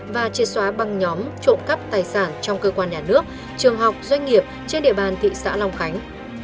và triệt xóa băng nhóm trộm cắp tài sản trong cơ quan nhà nước trường học doanh nghiệp trên địa bàn thị xã long khánh